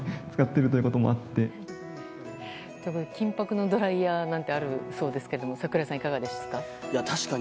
金箔のドライヤーなんてあるそうですが櫻井さん、いかがですか？